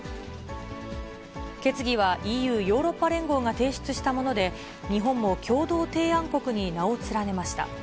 決議はＥＵ・ヨーロッパ連合が提出したもので、日本も共同提案国に名を連ねました。